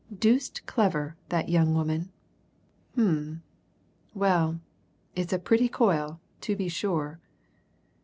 "Deuced clever, that young woman. Um well, it's a pretty coil, to be sure!"